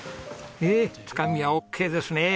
ええつかみはオッケーですね。